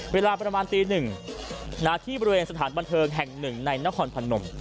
เวลาประมาณตีหนึ่งที่บริเวณสถานบันเทิงแห่งหนึ่งในนครพนม